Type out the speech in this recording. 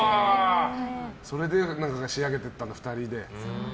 それで、仕上げていったんだ２人で。